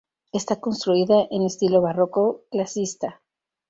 Está construida en estilo barroco clasicista.